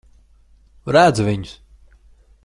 Redzu viņus.